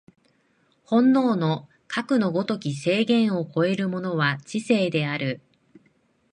本能のかくの如き制限を超えるものは知性である。